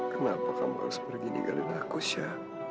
kena apa kamu harus pergi ninggalin aku sya